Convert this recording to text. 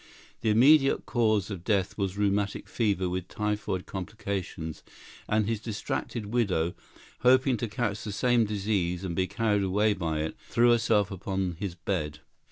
The immediate cause of death was rheumatic fever with typhoid complications, and his distracted widow, hoping to catch the same disease and be carried away by it, threw herself upon his bed.